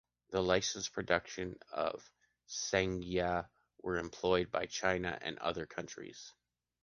The licenced productions of Shengyang were employed by China and other countries.